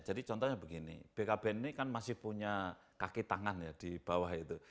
jadi contohnya begini bkkbn ini kan masih punya kaki tangan ya di bawah itu